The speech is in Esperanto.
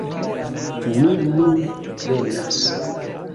Mi nun venas!